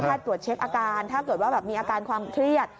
ตรวจเช็คอาการถ้าเกิดว่าแบบมีอาการความเครียด